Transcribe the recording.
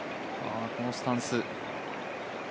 このスタンス。